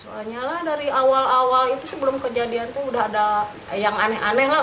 soalnya lah dari awal awal itu sebelum kejadian itu udah ada yang aneh aneh lah